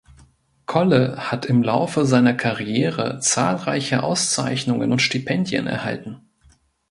Kolle hat im Laufe seiner Karriere zahlreiche Auszeichnungen und Stipendien erhalten.